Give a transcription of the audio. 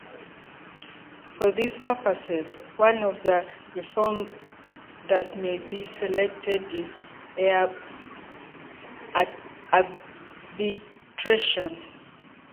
For these purposes, one of the "forums" that may be selected is arbitration.